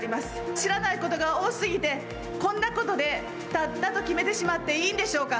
知らないことが多すぎて、こんなことでぱっぱと決めてしまっていいんでしょうか。